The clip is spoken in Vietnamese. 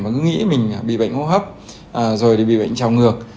mà cứ nghĩ mình bị bệnh hô hấp rồi thì bị bệnh trào ngược